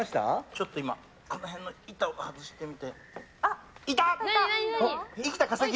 ちょっと今、この辺の板を外してみて。